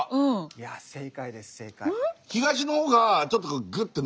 いや正解です正解。